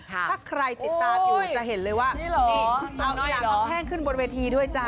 ถ้าใครติดตามอยู่จะเห็นเลยว่านี่เอาทุกอย่างเขาแห้งขึ้นบนเวทีด้วยจ้ะ